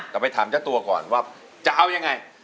แต่ไปถามเจ้าตัวก่อนว่าจะเอายังไง